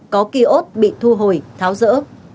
có kỳ ốt bị thu hồi tháo rỡ